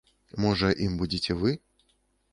Можа, ім будзеце вы?